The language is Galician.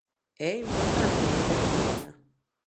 E é importante manter esa sona.